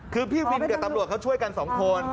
คือพี่วินกับตำรวจเขาช่วยกันสองคน